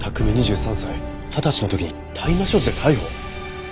２３歳二十歳の時に大麻所持で逮捕！？